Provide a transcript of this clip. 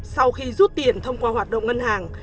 sau khi rút tiền thông qua hoạt động ngân hàng